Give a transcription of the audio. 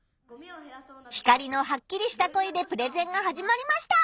ヒカリのはっきりした声でプレゼンが始まりました。